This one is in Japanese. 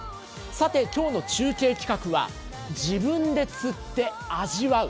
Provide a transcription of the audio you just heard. さて今日の中継企画は自分で釣って味わう